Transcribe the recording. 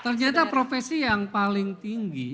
ternyata profesi yang paling tinggi